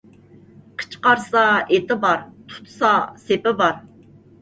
قىچقارسا ئېتى بار، تۇتسا سېپى بار.